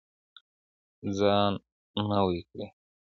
ځان نوی کړئ.